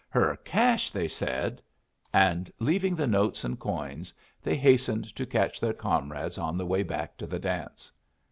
"Her cash," they said. And leaving the notes and coins, they hastened to catch their comrades on the way back to the dance.